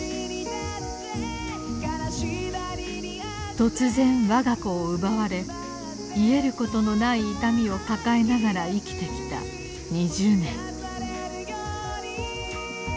突然我が子を奪われ癒えることのない痛みを抱えながら生きてきた２０年。